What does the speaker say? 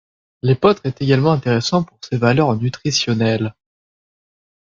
L'épeautre est également intéressant pour ses valeurs nutritionnelles.